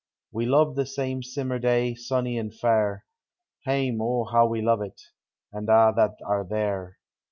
We love the same simmer day, sunny and fair; Ilame! oh, how we love it, an' a' that are there!